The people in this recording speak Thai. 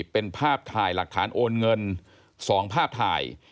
เป็นภาพถ่ายหลักฐานโอนเงิน๒ภาพถ่าย